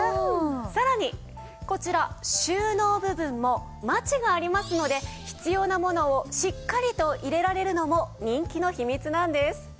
さらにこちら収納部分もマチがありますので必要なものをしっかりと入れられるのも人気の秘密なんです。